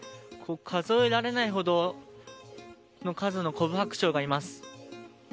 数えられないほどの数のコブハクチョウがいます。